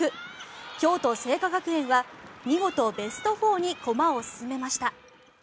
京都精華学園は見事ベスト４に駒を進めました。